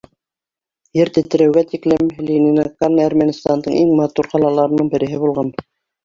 Ер тетрәүгә тиклем Ленинакан Әрмәнстандың иң матур ҡалаларының береһе булған.